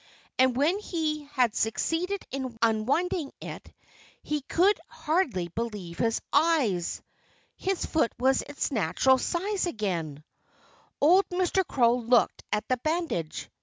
And when he had succeeded in unwinding it he could hardly believe his eyes. His foot was its natural size again! Old Mr. Crow looked at the bandage.